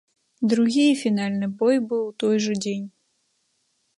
Другі і фінальны бой быў у той жа дзень.